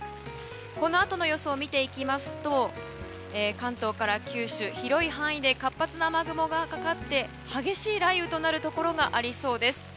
このあとの予想を見ていきますと関東から九州、広い範囲で活発な雨雲がかかって激しい雷雨となるところがありそうです。